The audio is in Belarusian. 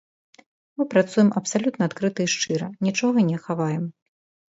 Мы працуем абсалютна адкрыта і шчыра, нічога не хаваем.